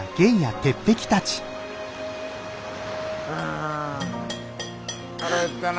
はあ腹減ったな！